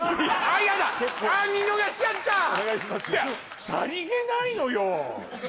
いやさりげないのよ